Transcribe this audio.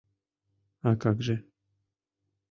А как же!..